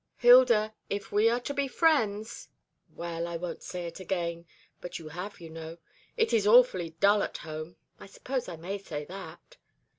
"Hilda, if we are to be friends " "Well, I won't say it again; but you have, you know. It is awfully dull at home. I suppose I may say that?"